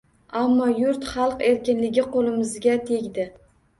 Ammo yurt, xalq erkinligi qoʻlimizga tegdi